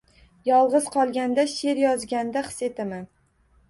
Yolg‘iz qolganda, she’r yozganda his etaman.